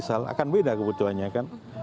akan beda kebutuhannya kan